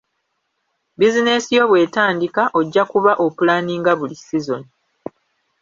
Bizinensi yo bw’etandika, ojja kuba opulaaninga buli sizoni.